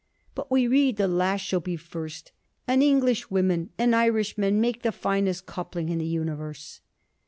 But we read, the last shall be first. And English women and Irish men make the finest coupling in the universe.'